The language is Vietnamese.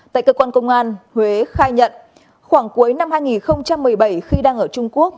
tại cơ quan công an huế khai nhận khoảng cuối năm hai nghìn một mươi bảy khi đang ở trung quốc